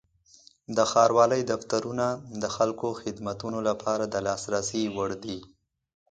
د ښاروالۍ دفترونه د خلکو خدمتونو لپاره د لاسرسي وړ دي.